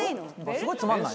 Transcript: すごいつまんない。